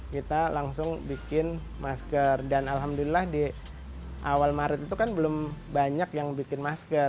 kita langsung bikin masker dan alhamdulillah disade marit uc kan belum banyak yang bikin masker